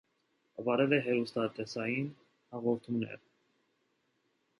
Վարել է հեռուստատեսային հաղորդումներ։